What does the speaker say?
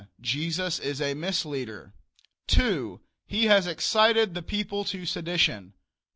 Jesus is a misleader. 2. He has excited the people to sedition.